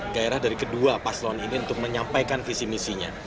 gairah dari kedua paslon ini untuk menyampaikan visi misinya